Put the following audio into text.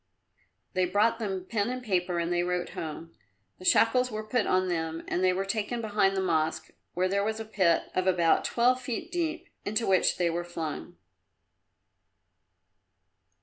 They brought them pen and paper and they wrote home. The shackles were put on them and they were taken behind the Mosque, where there was a pit of about twelve feet deep, into which they were flung.